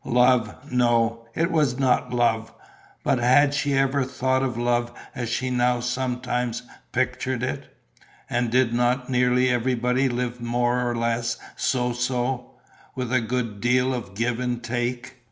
Love, no, it was not love; but had she ever thought of love as she now sometimes pictured it? And did not nearly everybody live more or less so so, with a good deal of give and take?